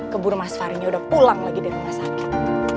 keburu mas fari udah pulang lagi dari rumah sakit